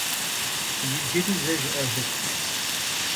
Yicıri ze jjı'ejjıt!